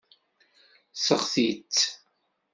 Seɣti-tt.